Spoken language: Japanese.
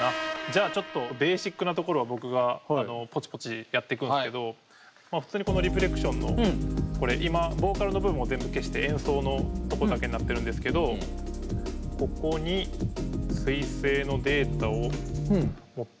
じゃあちょっとベーシックなところは僕がポチポチやってくんですけど普通にこの「ＲＥＦＬＥＣＴＩＯＮ」の今ボーカルの部分を全部消して演奏のとこだけになってるんですけどオーディオファイルを。